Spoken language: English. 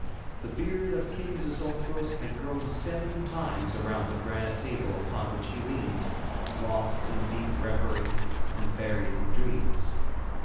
The beard of King Xixouthros had grown seven times around the granite table upon which he leaned, lost in deep reverie, and buried in dreams.